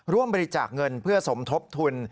ร่วมบริจาคเงินเพื่อสมทบทุน